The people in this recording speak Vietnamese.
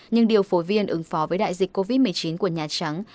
nhưng điều phối viên ứng phó với đại dịch covid một mươi chín của nhà trắng